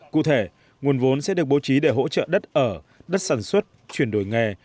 cụ thể nguồn vốn sẽ được bố trí để hỗ trợ đất ở đất sản xuất chuyển đổi nghề